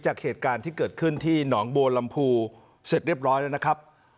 เหตุการณ์ที่เกิดขึ้นที่หนองบัวลำพูเสร็จเรียบร้อยแล้วนะครับ